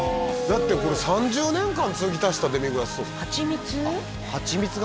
だってこれ３０年間継ぎ足したデミグラスソースはちみつ？